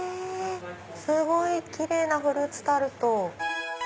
すごいキレイなフルーツタルト。